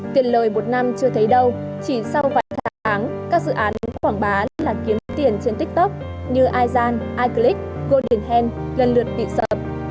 tiền lời một năm chưa thấy đâu chỉ sau vài tháng các dự án quảng bá là kiếm tiền trên tiktok như izan iclick golden hand gần lượt bị sợ